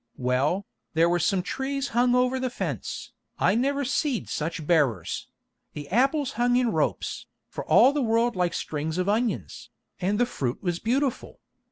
Well, there were some trees hung over the fence, I never seed such bearers: the apples hung in ropes, for all the world like strings of onions, and the fruit was beautiful.